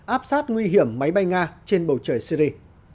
áp sát nguy hiểm máy bay nga trên bầu trời syri